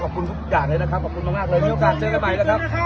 ขอบคุณทุกอย่างเลยนะครับขอบคุณมากเลยมีโอกาสเจอกันใหม่นะครับ